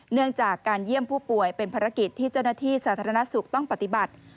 เนื่องจากการเยี่ยมผู้ป่วยเป็นภารกิจที่เจ้าหน้าที่สาธารณสุขต้องปฏิบัติ